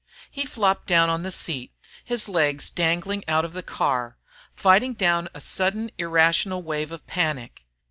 He flopped down on the seat, his legs dangling out of the car, fighting down a sudden irrational wave of panic.